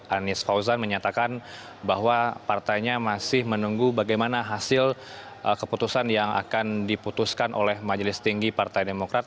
anies fauzan menyatakan bahwa partainya masih menunggu bagaimana hasil keputusan yang akan diputuskan oleh majelis tinggi partai demokrat